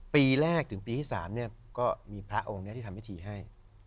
ปรีแรกถึงปีที่๓เนี่ยก็มีพระองค์เนี่ยขนที่ทำบิถีให้